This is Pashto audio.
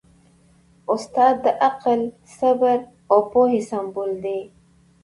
استاد د عقل، صبر او پوهې سمبول دی.